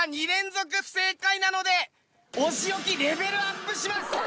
２連続不正解なのでお仕置きレベルアップします。